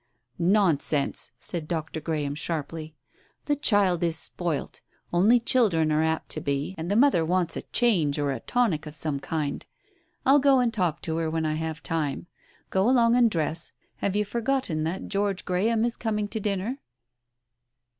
"Nonsense !" said Dr. Graham sharply. "The child is spoilt. Only children are apt to be — and the mother wants a change or a tonic of some kind. I'll go and talk to her when I have time. Go along and dress. Have you forgotten that George Graham is coming to dinner